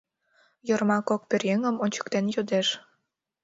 — Йорма кок пӧръеҥым ончыктен йодеш.